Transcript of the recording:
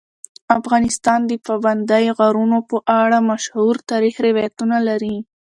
افغانستان د پابندي غرونو په اړه مشهور تاریخی روایتونه لري.